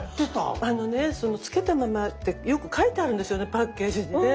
あのねその漬けたままってよく書いてあるんですよねパッケージにね。